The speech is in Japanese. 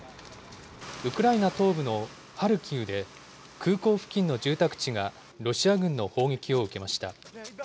ウクライナ東部のハルキウで、空港付近の住宅地がロシア軍の砲撃を受けました。